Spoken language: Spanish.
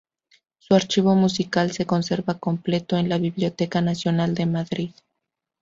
Su archivo musical se conserva completo en la Biblioteca Nacional de Madrid.